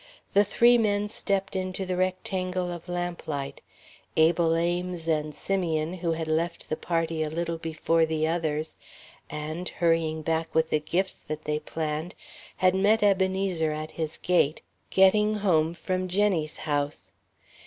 The three men stepped into the rectangle of lamplight Abel, Ames and Simeon, who had left the party a little before the others and, hurrying back with the gifts that they planned, had met Ebenezer at his gate, getting home from Jenny's house.